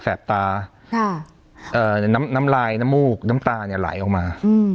แปบตาน้ำลายน้ำมูกน้ำตาเนี่ยไหลออกมา